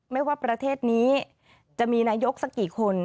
ไม่ว่าประเทศนี้จะมีนายกสักกี่คน